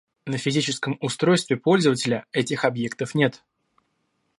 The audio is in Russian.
На физическом устройстве пользователя этих объектов нет